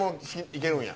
いけるんや。